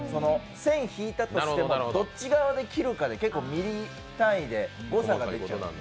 線引いたとしてもどっち側を切るかによって結構ミリ単位で誤差が出ちゃう。